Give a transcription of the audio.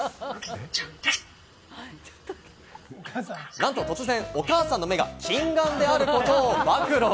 なんと突然、お母さんの目が近眼であることを暴露。